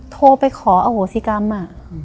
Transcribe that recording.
โทรไปขออโหสิกรรมอ่ะ